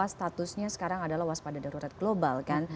statusnya sekarang adalah waspada darurat global kan